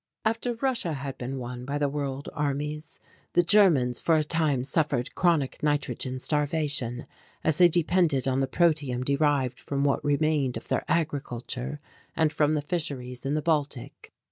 After Russia had been won by the World Armies, the Germans for a time suffered chronic nitrogen starvation, as they depended on the protium derived from what remained of their agriculture and from the fisheries in the Baltic.